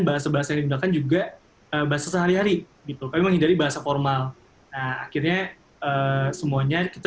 bahasa bahasa yang juga bahasa sehari hari gitu memang dari bahasa formal akhirnya semuanya kita